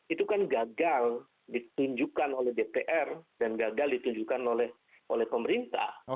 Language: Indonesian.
itu kan gagal ditunjukkan oleh dpr dan gagal ditunjukkan oleh pemerintah